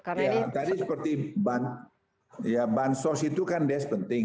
ya tadi seperti bahan sos itu kan des penting